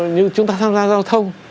như chúng ta tham gia giao thông